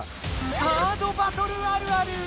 カードバトルあるある！